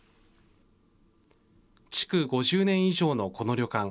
築５０年以上のこの旅館。